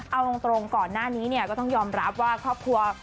เอาตรงก่อนหน้านี้เนี่ยก็ต้องยอมรับว่าครอบครัว